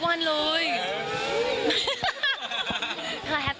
ดูดีค่ะหล่อทุกวันเลย